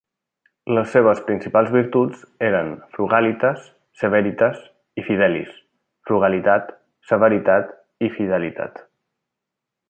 Les seves principals virtuts eren "frugalitas, severitas" i "fidelis", frugalitat, severitat i fidelitat.